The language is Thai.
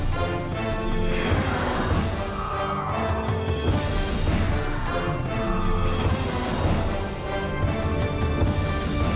โปรดติดตามตอนต่อไป